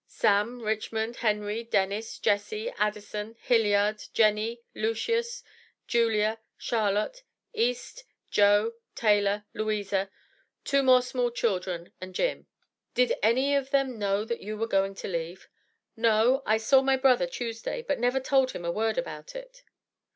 "Sam, Richmond, Henry, Dennis, Jesse, Addison, Hilliard, Jenny, Lucius, Julia, Charlotte, Easte, Joe, Taylor, Louisa, two more small children and Jim." Did any of them know that you were going to leave? "No, I saw my brother Tuesday, but never told him a word about it."